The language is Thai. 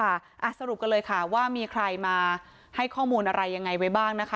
สรุปกันเลยค่ะว่ามีใครมาให้ข้อมูลอะไรยังไงไว้บ้างนะคะ